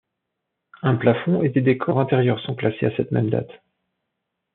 Un plafond et des décors intérieurs sont classés à cette même date.